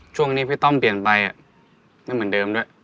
ช่วงนี้พี่ต้อมเปลี่ยนไปไม่เหมือนเดิมด้วย